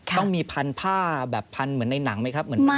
ต้องมีพันธุ์ผ้าแบบพันธุ์เหมือนในหนังไหม